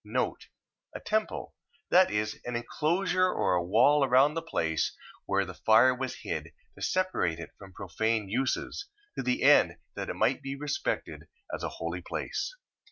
A temple... That is, an enclosure, or a wall round about the place where the fire was hid, to separate it from profane uses, to the end that it might be respected as a holy place.